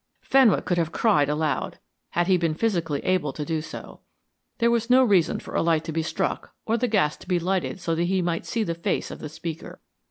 Fenwick could have cried aloud, had he been physically able to do so. There was no reason for a light to be struck or the gas to be lighted so that he might see the face of the speaker.